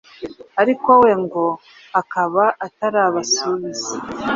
ariko we ngo akaba atarabasubiza